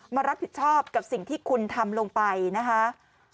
มารับผิดชอบกับสิ่งที่คุณทำลงไปนะคะ